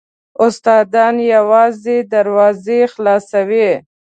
استادان یوازې دروازې خلاصوي .